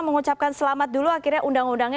mengucapkan selamat dulu akhirnya undang undangnya